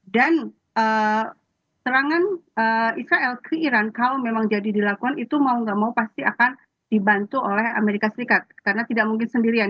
dan serangan israel ke iran kalau memang jadi dilakukan itu mau nggak mau pasti akan dibantu oleh amerika serikat karena tidak mungkin sendirian